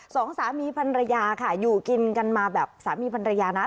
สองสามีพันรยาค่ะอยู่กินกันมาแบบสามีพันรยานะ